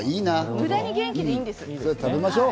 無駄に元気でいいんです。